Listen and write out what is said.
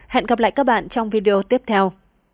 hẹn gặp lại các bạn trong video tiếp theo